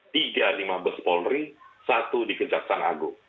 tiga lima ber spoilery satu dikejaksana agung